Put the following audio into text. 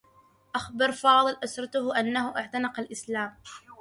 أخبر فاضل أسرته أنّه اعتنق الإسلام.